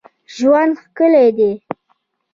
ژوند ښکلی دئ.